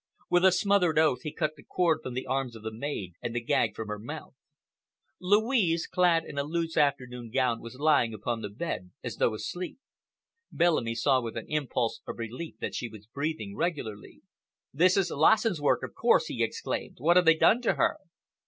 With a smothered oath he cut the cord from the arms of the maid and the gag from her mouth. Louise, clad in a loose afternoon gown, was lying upon the bed, as though asleep. Bellamy saw with an impulse of relief that she was breathing regularly. "This is Lassen's work, of course!" he exclaimed. "What have they done to her?"